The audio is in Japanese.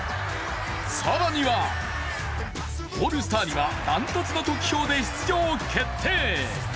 更には、オールスターには断トツの得票で出場決定。